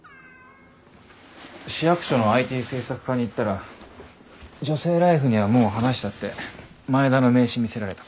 市役所のＩＴ政策課に行ったら「女性ＬＩＦＥ」にはもう話したって前田の名刺見せられた。